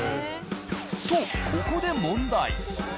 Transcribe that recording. ［とここで問題］